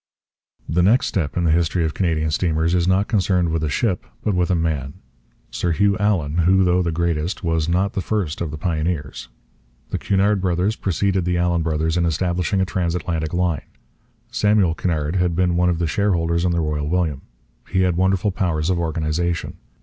The next step in the history of Canadian steamers is not concerned with a ship but with a man. Sir Hugh Allan, who, though the greatest, was not the first of the pioneers. The Cunard brothers preceded the Allan brothers in establishing a transatlantic line. Samuel Cunard had been one of the shareholders in the Royal William. He had wonderful powers of organization.